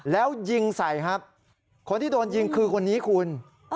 แล้วยิงใส่ครับคนที่โดนยิงคือคนนี้คุณ